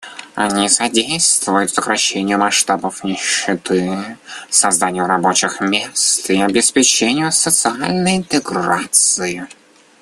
Они содействуют сокращению масштабов нищеты, созданию рабочих мест и обеспечению социальной интеграции.